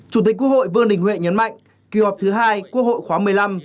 chủ tịch quốc hội vương đình huệ nhấn mạnh kỳ họp thứ hai quốc hội khóa một mươi năm